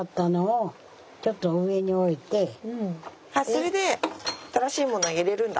それで新しいもの入れるんだ。